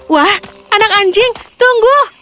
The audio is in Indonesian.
wah anak anjing tunggu